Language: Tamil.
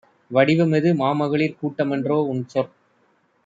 வடிவமெது? மாமகளிர் கூட்டமன்றோ? உன்சொற்